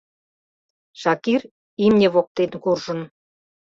Шакир имне воктен куржын.